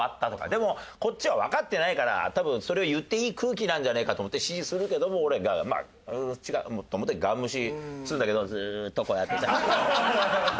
でもこっちはわかってないから多分それを言っていい空気なんじゃねえかと思って指示するけども俺「ううん違う」と思ってガン無視するんだけどずーっとこうやって。ってやって。